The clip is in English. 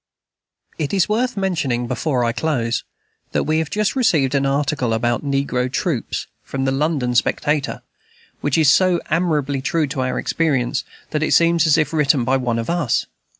It is worth mentioning, before I close, that we have just received an article about "Negro Troops," from the London Spectator, which is so admirably true to our experience that it seems as if written by one of us.